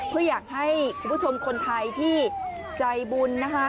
เพื่ออยากให้คุณผู้ชมคนไทยที่ใจบุญนะคะ